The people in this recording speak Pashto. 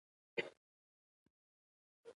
سپین ږیری ملنګ و خو له چا یې خیرات نه غوښت.